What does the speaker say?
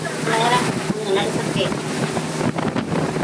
泪之宝石可以让持有者心想事成。